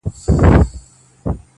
پر کلیو، پر ښارونو یې ځالۍ دي غوړولي؛